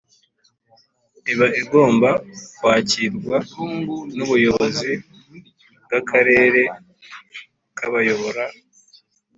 iba igomba kwakirwa n’ubuyobozi bw’akarere kabayobora.